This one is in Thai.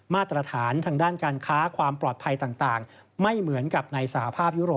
มาตรฐานทางด้านการค้าความปลอดภัยต่างไม่เหมือนกับในสหภาพยุโรป